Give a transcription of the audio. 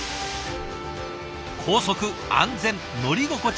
高速安全乗り心地よし。